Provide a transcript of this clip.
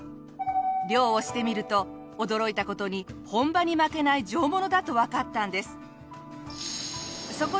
漁をしてみると驚いた事に本場に負けない上物だとわかったんです。